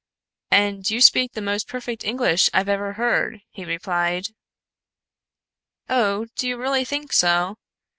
"And you speak the most perfect English I've ever heard," he replied. "Oh, do you really think so?